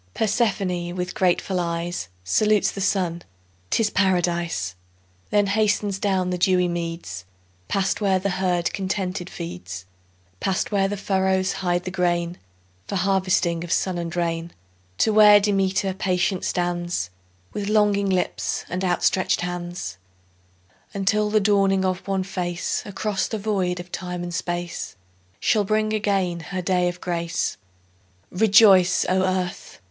Persephone with grateful eyes Salutes the Sun—'tis Paradise: Then hastens down the dewy meads, Past where the herd contented feeds, Past where the furrows hide the grain, For harvesting of sun and rain; To where Demeter patient stands With longing lips and outstretched hands, Until the dawning of one face Across the void of time and space Shall bring again her day of grace. Rejoice, O Earth!